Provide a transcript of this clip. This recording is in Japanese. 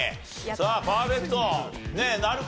さあパーフェクトなるか？